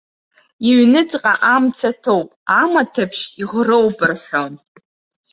Иҩныҵҟа амца ҭоуп, амаҭаԥшь иӷроуп рҳәон.